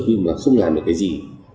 nhưng mà không làm được cái gì